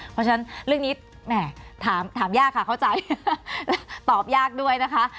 เพราะฉะนั้นเรื่องนี้แหมถามยากค่ะเข้าใจตอบยากด้วยนะคะ